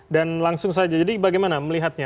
dan langsung saja jadi bagaimana melihatnya